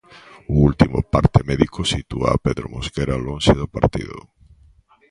O último parte médico sitúa a Pedro Mosquera lonxe do partido.